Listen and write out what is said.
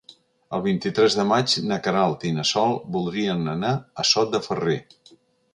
El vint-i-tres de maig na Queralt i na Sol voldrien anar a Sot de Ferrer.